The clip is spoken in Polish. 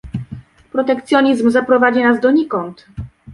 Protekcjonizm zaprowadzi nas do nikąd